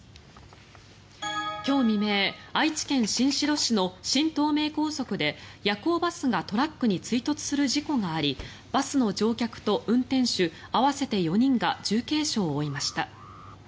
今日未明、愛知県新城市の新東名高速で夜行バスがトラックに追突する事故がありバスの乗客と運転手合わせて４人が重軽傷を負いました。